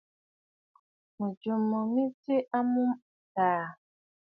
Mɨ̀jɨ̂ mo mɨ tswe a mûm àntɔ̀ɔ̀.